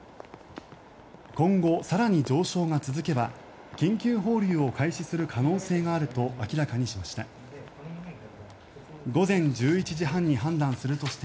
今後、更に上昇が続けば緊急放流を開始する可能性があると明らかにしました。